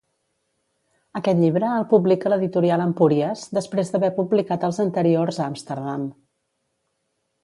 Aquest llibre el publica l'editorial Empúries després d'haver publicat els anteriors Amsterdam.